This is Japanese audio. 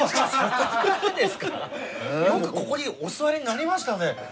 よくここにお座りになりましたね。